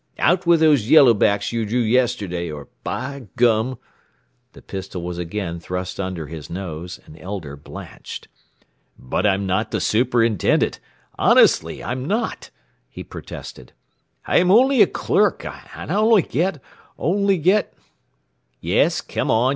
Out with those yellowbacks you drew yesterday, or by gum " The pistol was again thrust under his nose, and Elder blanched. "But I'm not the superintendent! Honestly I'm not!" he protested. "I'm only a clerk. And I only get only get " "Yes, come on!